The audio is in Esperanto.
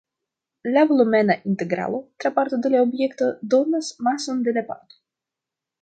La volumena integralo tra parto de la objekto donas mason de la parto.